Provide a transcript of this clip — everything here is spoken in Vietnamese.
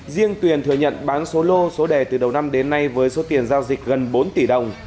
riêng tuyền thừa nhận bán số lô số đề từ đầu năm đến nay với số tiền giao dịch gần bốn tỷ đồng